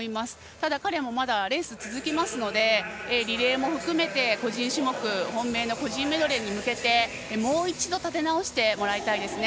ただ、彼もまだレースが続きますのでリレーも含め個人種目本命の個人メドレーに向けてもう一度立て直してもらいたいですね。